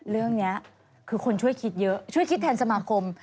เรื่องนี้คือคนช่วยคิดเยอะช่วยคิดแทนสมาคม